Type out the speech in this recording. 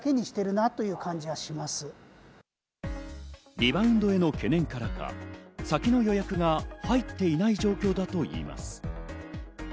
リバウンドへの懸念からか先の予約が入っていない状況だといいます。